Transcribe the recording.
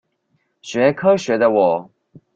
學科學的我